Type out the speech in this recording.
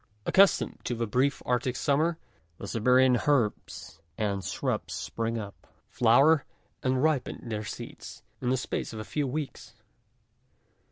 Accustomed to the brief arctic summer, the Siberian herbs and shrubs spring up, flower, and ripen their seeds, in the space of a few weeks.